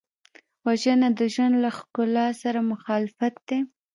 وژنه د ژوند له ښکلا سره مخالفت دی